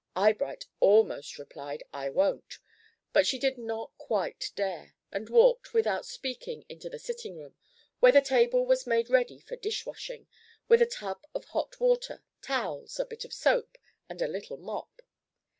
Eyebright almost replied "I won't," but she did not quite dare, and walked, without speaking, into the sitting room, where the table was made ready for dish washing, with a tub of hot water, towels, a bit of soap, and a little mop.